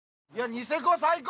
ニセコ最高！